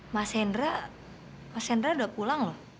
mbak sandra mbak sandra udah pulang loh